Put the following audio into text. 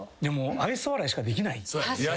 愛想笑いしかできない。